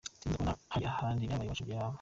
Sinifuza kubona hari ahandi ibyabaye iwacu byaba.